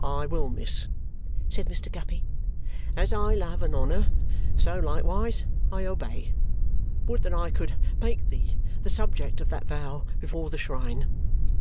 "I will, miss," said Mr. Guppy. "As I love and honour, so likewise I obey. Would that I could make thee the subject of that vow before the shrine!"